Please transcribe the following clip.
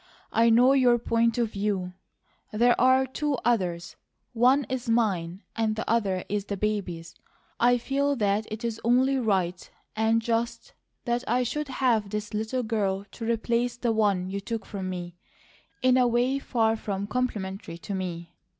I know YOUR point of view; there are two others, one is mine, and the other is the baby's. I feel that it is only right and just that I should have this little girl to replace the one you took from me, in a way far from complimentary to me.